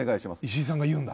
石井さんが言うんだ。